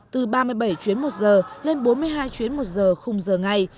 từ ba mươi bảy chuyến một giờ lên bốn mươi hai chuyến một giờ khung giờ ngày